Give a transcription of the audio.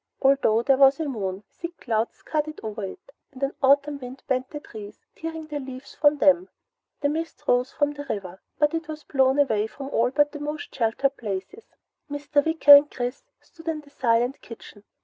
Although there was a moon, thick clouds scudded over it and an autumn wind bent the trees, tearing the leaves from them. A mist rose from the river, but it was blown away from all but the most sheltered places. Mr. Wicker and Chris stood in the silent kitchen.